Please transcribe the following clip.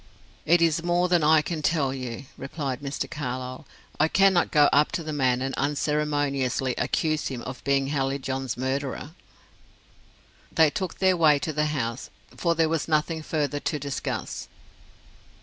"It is more than I can tell you," replied Mr. Carlyle. "I cannot go up to the man and unceremoniously accuse him of being Hallijohn's murderer." They took their way to the house, for there was nothing further to discuss.